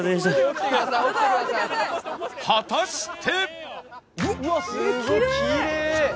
果たして